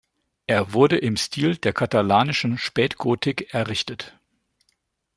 Er wurde im Stil der katalanischen Spätgotik errichtet.